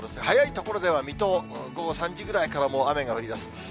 早い所では、水戸、午後３時ぐらいからもう雨が降りだす。